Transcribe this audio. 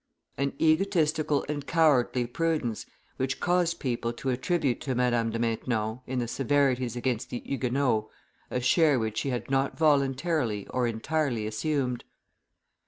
An egotistical and cowardly prudence, which caused people to attribute to Madame de Maintenon, in the severities against the Huguenots, a share which she had not voluntarily or entirely assumed.